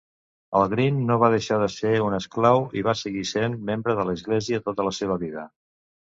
En Green no va deixar de ser un esclau i va seguir sent membre de l"església tota la seva vida.